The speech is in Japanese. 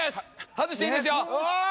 外していいですよ。